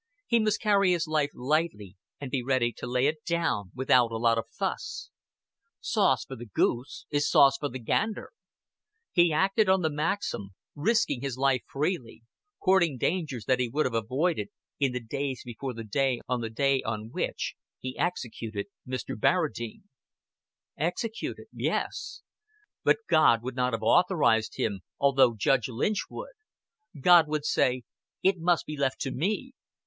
He must carry his life lightly, and be ready to lay it down without a lot of fuss. Sauce for the goose is sauce for the gander. He acted on the maxim, risking his life freely, courting dangers that he would have avoided in the days before the day on which he executed Mr. Barradine. Executed yes. But God would not have authorized him, although Judge Lynch would. God would say: "It must be left to Me.